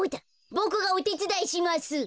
ボクがおてつだいします。